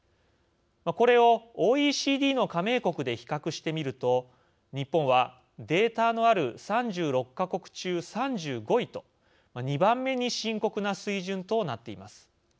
これをＯＥＣＤの加盟国で比較してみると日本はデータのある３６か国中３５位と２番目に深刻な水準となっています。